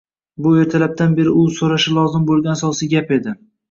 Bu ertalabdan beri u surashi lozim bo`lgan asosiy gap edi